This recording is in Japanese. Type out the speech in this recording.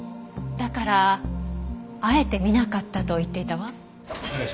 だからあえて見なかったと言っていたわ。